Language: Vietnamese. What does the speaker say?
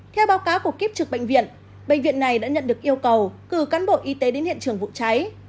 theo báo cáo của kiếp trực bệnh viện bệnh viện này đã nhận được yêu cầu cử cán bộ y tế đến hiện trường vụ cháy